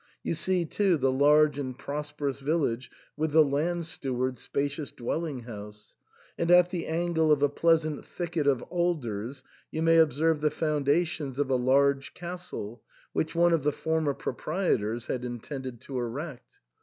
You see, too, the large and prosperous village, with the land steward's spacious dwelling house ; and at the angle of a pleasant thicket of alders you may observe the foundations of a large castle, which one of the former proprietors had in tended to erect.